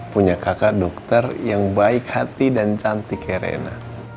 punya kakak dokter yang baik hati dan cantik herena